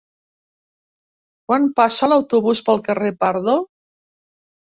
Quan passa l'autobús pel carrer Pardo?